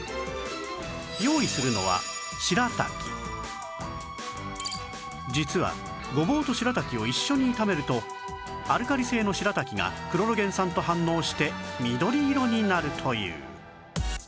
用意するのは実はごぼうとしらたきを一緒に食べるとアルカリ性のしらたきがクロロゲン酸と反応して緑色になるという